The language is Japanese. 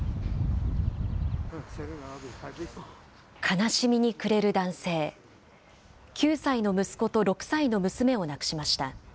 悲しみに暮れる男性、９歳の息子と６歳の娘を亡くしました。